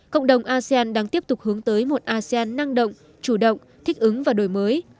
cộng đồng asean đang tiếp tục hướng tới một asean năng động chủ động thích ứng và đổi mới